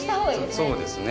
そうですね。